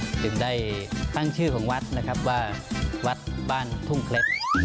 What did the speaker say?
จึงได้ตั้งชื่อของวัดนะครับว่าวัดบ้านทุ่งเคล็ด